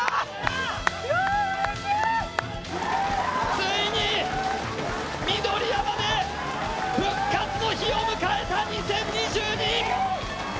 ついに、緑山で復活の日を迎えた２０２２！